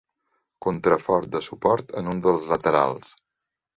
Contrafort de suport en un dels laterals.